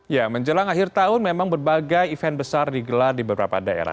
ya menjelang akhir tahun memang berbagai event besar digelar di beberapa daerah